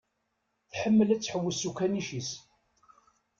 Tḥemmel ad tḥewwes s ukanic-is.